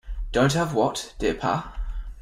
Don't have what, dear Pa?